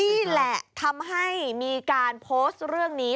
นี่แหละทำให้มีการโพสต์เรื่องนี้